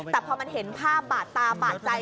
แต่พอมันเห็นภาพบาดตาบาดใจ